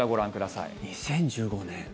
２０１５年。